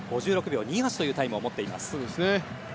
５６秒２８というタイムを持っています。